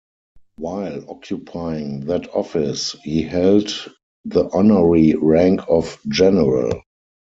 While occupying that office, he held the honorary rank of general.